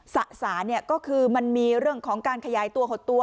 สะสาเนี่ยก็คือมันมีเรื่องของการขยายตัวหดตัว